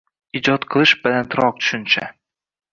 Ijod qilish balandroq tushuncha